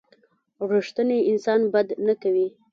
رښتینی انسان بد نه کوي.